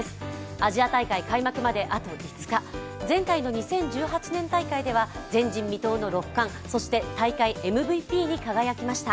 アジア大会開幕まであと５日前回の２０１８年大会では前人未到の６冠、そして大会ＭＶＰに輝きました。